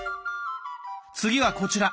次はこちら！